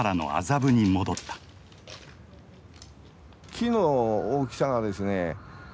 木の大きさがですね